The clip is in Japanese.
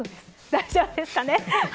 大丈夫ですかね。